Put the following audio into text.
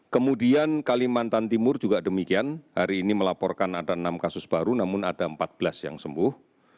kemudian kalimantan timur juga demikian hari ini melaporkan ada enam kasus baru namun ada empat belas yang sembuh